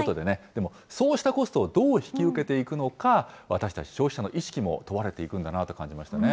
でもそうしたコストをどう引き受けていくのか、私たち消費者の意識も問われていくんだなと感じましたね。